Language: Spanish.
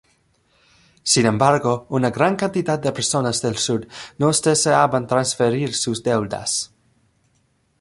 Sin embargo, una gran cantidad de personas del sur no deseaban transferir sus deudas.